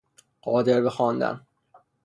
قادر به خواندن